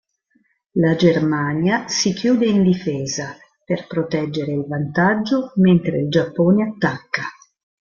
La Germania si chiude in difesa per proteggere il vantaggio mentre il Giappone attacca.